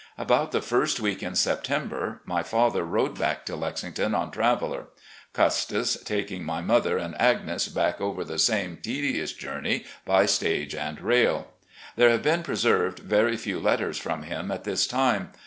About the first week in September my father rode back to Lexington on Traveller, Custis taking my mother and Agnes back over the same tedious journey by stage and rail. There have been preserved very few letters from him at this time.